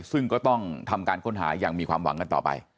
ซึ่งก็ต้องทำการค้นหาอย่างมีความหวังกันต่อไป